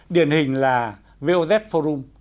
điển hình là voz forum